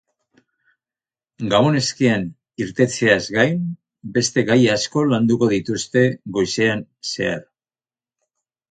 Gabon-eskean irtetzeaz gain, beste gai asko landuko dituzte goizean zehar.